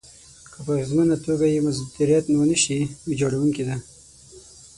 که په اغېزمنه توګه يې مديريت ونشي، ويجاړونکې ده.